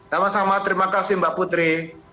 sama sama terima kasih mbak putri